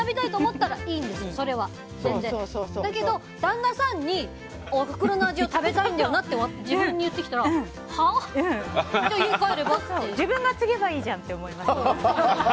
だけど、旦那さんにおふくろの味を食べたいんだよなって自分に言ってきたらは？じゃあ家帰ればって。自分が継げばいいじゃんって思います。